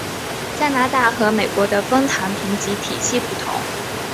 加拿大和美国的枫糖评级体系不同。